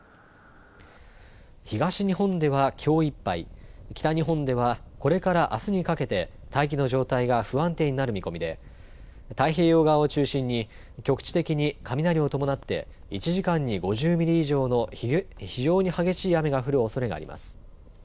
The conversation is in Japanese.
東日本ではきょういっぱい、北日本ではこれからあすにかけて大気の状態が不安定になる見込みで太平洋側を中心に局地的に雷を伴って１時間に５０ミリ以上の非常に激しい雨が降るおそれがあります。